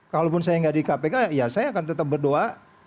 kalaupun saya nggak di kpk ya saya akan tetap berdoa